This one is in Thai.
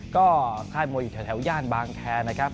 ก็ค่ายมวยอยู่แถวย่านบางแคร์นะครับ